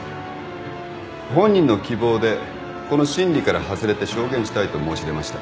本人の希望でこの審理から外れて証言したいと申し出ました。